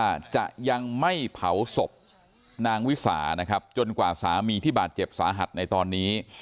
ว่าจะยังไม่เผาศพนางวิสานะครับจนกว่าสามีที่บาดเจ็บสาหัสในตอนนี้